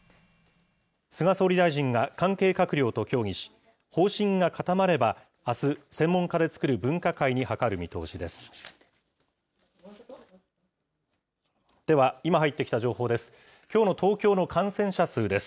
菅総理大臣が関係閣僚と協議し、方針が固まれば、あす、専門家で作る分科会に諮る見通しです。